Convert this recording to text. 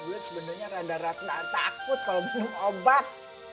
gue sebenernya rada rada takut kalo minum obat